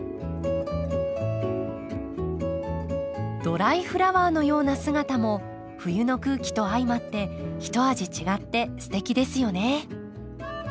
ドライフラワーのような姿も冬の空気と相まってひと味違ってすてきですよね。